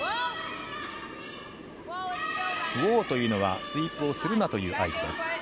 ウォーというのはスイープをするなという合図です。